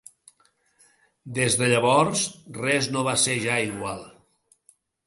Des de llavors, res no va ser ja igual.